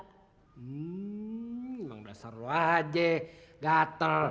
hmm emang udah seru aja gatel